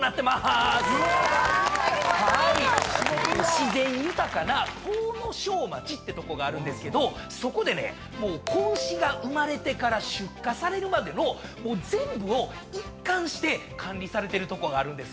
自然豊かな東庄町ってとこがあるんですけどそこでね子牛が生まれてから出荷されるまでの全部を一貫して管理されてるとこがあるんです。